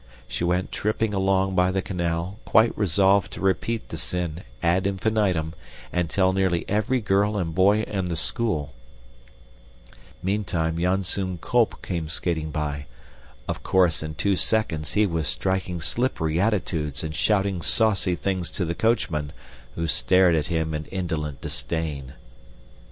She went tripping along by the canal, quite resolved to repeat the sin, ad infinitum, and tell nearly every girl and boy in the school. Meantime Janzoon Kolp came skating by. Of course, in two seconds, he was striking slippery attitudes and shouting saucy things to the coachman, who stared at him in indolent disdain.